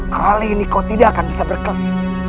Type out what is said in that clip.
kali ini kau tidak akan bisa berkeliling